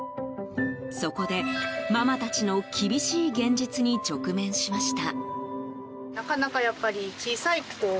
そこで、ママたちの厳しい現実に直面しました。